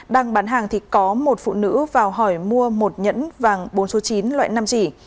đang bán hàng thì có một phụ nữ vào hỏi mua một nhẫn vàng bốn số chín loại năm chỉ